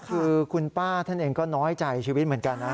คือคุณป้าท่านเองก็น้อยใจชีวิตเหมือนกันนะ